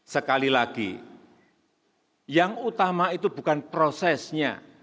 sekali lagi yang utama itu bukan prosesnya